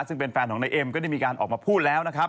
ซึ่งเป็นแฟนของนายเอ็มก็ได้มีการออกมาพูดแล้วนะครับ